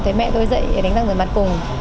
thấy mẹ tôi dậy đánh răng rửa mặt cùng